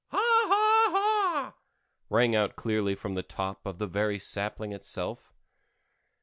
"Haw haw haw!" rang out clearly from the top of the very sapling itself.